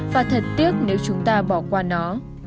và thật tiếc nếu chúng ta bỏ qua nó